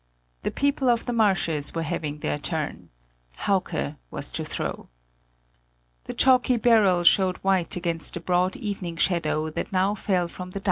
The people of the marshes were having their turn: Hauke was to throw. The chalky barrel showed white against the broad evening shadow that now fell from the dike across the plain.